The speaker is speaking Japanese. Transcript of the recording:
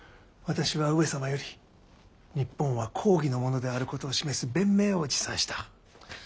私は上様より日本は公儀のものであることを示す弁明を持参した。